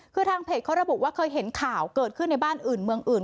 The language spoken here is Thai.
คือทางเพจเขาระบุว่าเคยเห็นข่าวเกิดขึ้นในบ้านอื่นเมืองอื่น